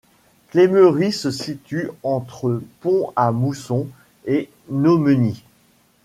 Clémery se situe entre Pont-à-Mousson et Nomeny.